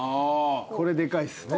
これでかいっすね。